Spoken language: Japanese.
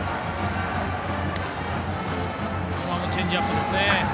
今のもチェンジアップですね。